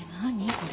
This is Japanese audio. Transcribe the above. これ。